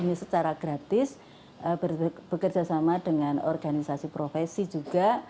kami juga secara gratis bekerja sama dengan organisasi profesi juga